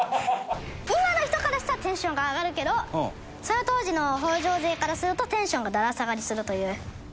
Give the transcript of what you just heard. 今の人からしたらテンションが上がるけどその当時の北条勢からするとテンションがだだ下がりするという。